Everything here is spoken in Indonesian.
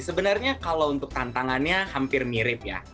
sebenarnya kalau untuk tantangannya hampir mirip ya